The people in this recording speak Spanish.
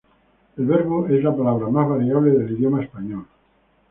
El verbo es la palabra más variable del idioma español.